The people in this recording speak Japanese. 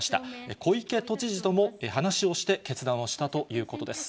小池都知事とも話をして決断をしたということです。